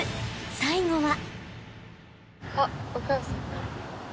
［最後は］